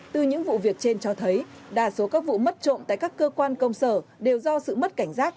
từ những vụ việc trên cho thấy đa số các vụ mất trộm tại các cơ quan công sở đều do sự mất cảnh giác